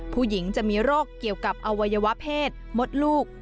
ผู้หญิงจะมีโรคเกี่ยวกับอวัยวะเพศมดลูก